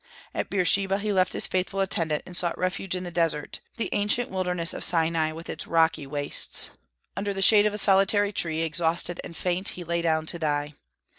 At Beersheba he left his faithful attendant, and sought refuge in the desert, the ancient wilderness of Sinai, with its rocky wastes. Under the shade of a solitary tree, exhausted and faint, he lay down to die.